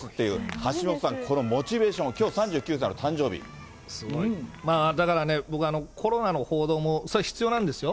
橋下さん、このモチベーション、だからね、僕、コロナの報道もそれは必要なんですよ。